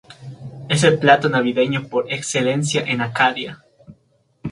Es el plato navideño por excelencia en Acadia.